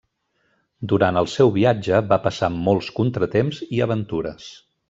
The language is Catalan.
Durant el seu viatge va passar molts contratemps i aventures.